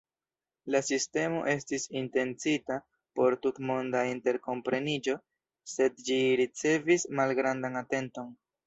La sistemo estis intencita por tutmonda interkompreniĝo, sed ĝi ricevis malgrandan atenton.